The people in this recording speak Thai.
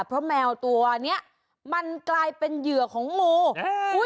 เพราะแมวตัวเนี้ยมันกลายเป็นเหยื่อของงูอุ้ย